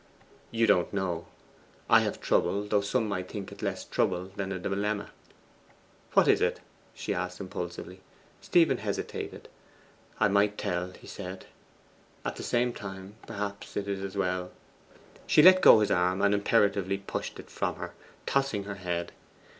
'You don't know: I have a trouble; though some might think it less a trouble than a dilemma.' 'What is it?' she asked impulsively. Stephen hesitated. 'I might tell,' he said; 'at the same time, perhaps, it is as well ' She let go his arm and imperatively pushed it from her, tossing her head.